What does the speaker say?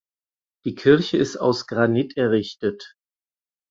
Die Kirche ist aus Granit errichtet.